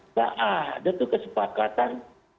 nggak ada tuh kesepakatan